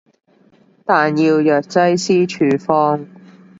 但要藥劑師處方